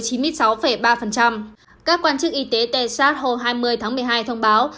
các quan chức y tế tesat hồi hai mươi tháng một mươi hai thông báo